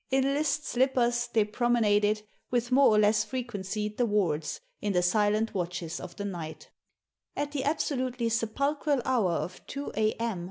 In list slippers they promenaded, with more or less fre quency, the wards, in the silent watches of the night At the absolutely sepulchral hour of two a.m.